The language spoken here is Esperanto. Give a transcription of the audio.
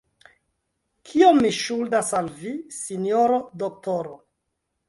Kiom mi ŝuldas al vi, sinjoro doktoro?